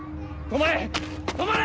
止まれ！